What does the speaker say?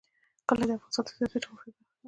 کلي د افغانستان د سیاسي جغرافیه برخه ده.